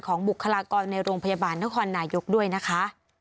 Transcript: บุคลากรในโรงพยาบาลนครนายกด้วยนะคะ